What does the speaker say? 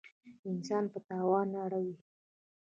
انسان په تاوان اړوي.